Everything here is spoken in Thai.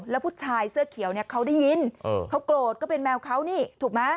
แล้วผู้ชายเสื้อเขียวเนี่ยเขาได้ยินเขาโกรธก็เป็นแมวเขานี่ถูกไหม